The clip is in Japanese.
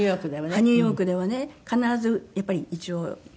ニューヨークではね必ずやっぱり一応夫婦で。